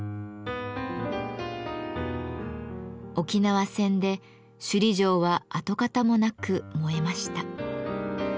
沖縄戦で首里城は跡形もなく燃えました。